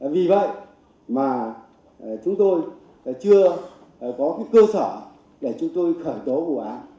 vì vậy mà chúng tôi chưa có cơ sở để chúng tôi khởi tố vụ án